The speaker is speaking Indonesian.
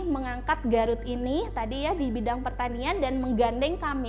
mengangkat garut ini di bidang pertanian dan menggandeng kami